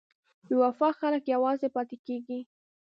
بې وفا خلک یوازې پاتې کېږي.